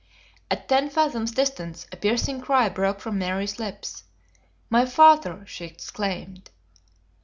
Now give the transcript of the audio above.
At ten fathoms' distance a piercing cry broke from Mary's lips. "My father!" she exclaimed.